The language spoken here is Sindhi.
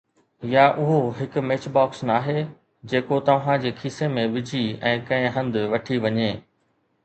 يا اهو هڪ ميچ باڪس ناهي جيڪو توهان جي کيسي ۾ وجهي ۽ ڪنهن هنڌ وٺي وڃي